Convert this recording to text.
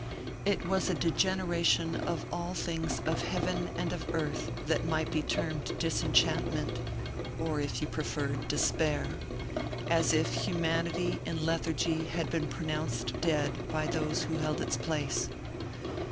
It was a degeneration of all things of heaven and of earth that might be termed disenchantment, or if you preferred, despair; as if humanity in lethargy had been pronounced dead by those who held its place.